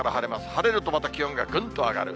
晴れるとまた気温がぐんと上がる。